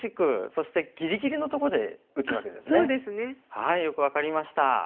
はいよく分かりました。